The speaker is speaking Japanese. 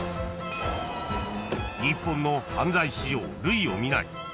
［日本の犯罪史上類を見ない］え！？